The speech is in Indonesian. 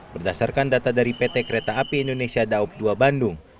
berdasarkan data dari pt kereta api indonesia daup dua bandung